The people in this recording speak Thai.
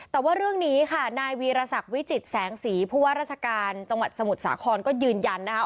แต่ว่าเรื่องนี้ค่ะนายวีรศักดิ์วิจิตแสงสีผู้ว่าราชการจังหวัดสมุทรสาครก็ยืนยันนะคะ